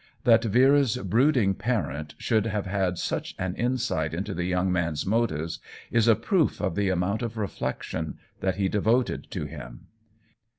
That Vera's brooding pa rent should have had such an insight into the young man's motives is a proof of the amount of reflection that he devoted to him.